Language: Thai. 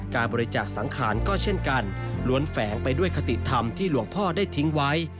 การบริจาคสังขารก็เช่นกันล้วนแฝงไปด้วยคติธรรมที่หลวงพ่อได้ทิ้งไว้